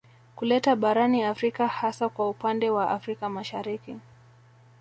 Kuleta barani Afrika hasa kwa upande wa Afrika Mashariki